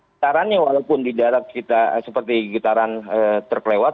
getarannya walaupun di darat kita seperti getaran terkelewat